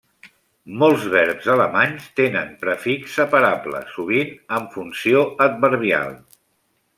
Molts verbs alemanys tenen prefix separable, sovint amb funció adverbial.